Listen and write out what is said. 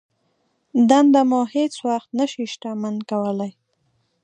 دنده مو هېڅ وخت نه شي شتمن کولای.